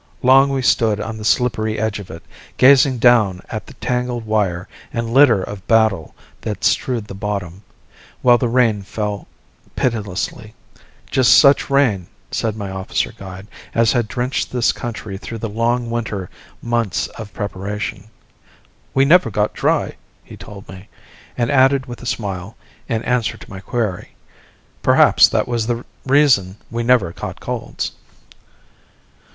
Long we stood on the slippery edge of it, gazing down at the tangled wire and litter of battle that strewed the bottom, while the rain fell pitilessly. Just such rain, said my officer guide, as had drenched this country through the long winter months of preparation. "We never got dry," he told me; and added with a smile, in answer to my query: "Perhaps that was the reason we never caught colds."